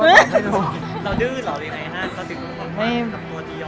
เราดื้อหรอกยังไงฮะ